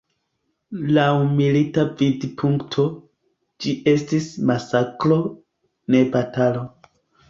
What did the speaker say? Laŭ milita vidpunkto, ĝi estis masakro, ne batalo.